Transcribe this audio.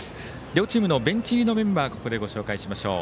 両チームのベンチ入りのメンバーご紹介しましょう。